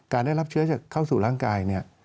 ได้รับเชื้อจากเข้าสู่ร่างกายเนี่ย